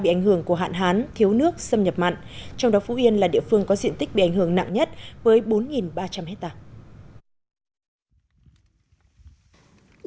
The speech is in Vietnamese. bị ảnh hưởng của hạn hán thiếu nước xâm nhập mặn trong đó phú yên là địa phương có diện tích bị ảnh hưởng nặng nhất với bốn ba trăm linh hectare